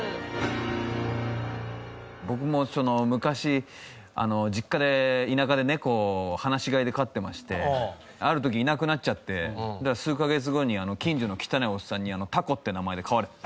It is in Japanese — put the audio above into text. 僕も昔実家で田舎でネコを放し飼いで飼ってましてある時いなくなっちゃって数カ月後に近所の汚えおっさんにタコって名前で飼われてた。